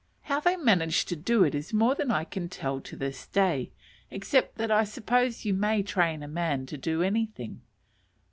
How they managed to do it is more than I can tell to this day; except that I suppose you may train a man to do anything.